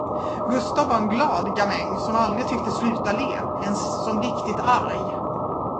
Gustav var en glad gamäng som aldrig tycktes sluta le, ens som riktigt arg.